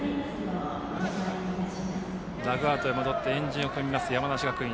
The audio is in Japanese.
ダグアウトへ戻って円陣を組みます山梨学院。